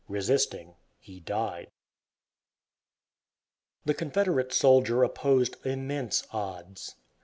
Resisting, he died. The Confederate soldier opposed immense odds.